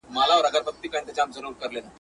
خو پاچا تېر له عالمه له پېغور وو.